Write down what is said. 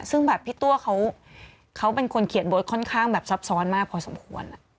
ซึ่งแบบพี่ตัวเขาเป็นคนเขียนบทค่อนข้างแบบซับซ้อนมากพอสมควร